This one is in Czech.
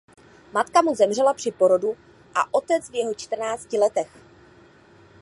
Matka mu zemřela při porodu a otec v jeho čtrnácti letech.